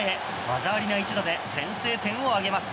技ありな一打で先制点を挙げます。